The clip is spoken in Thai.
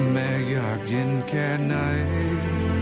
แม่อยากเย็นแค่ไหน